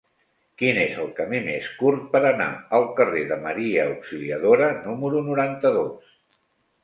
Quin és el camí més curt per anar al carrer de Maria Auxiliadora número noranta-dos?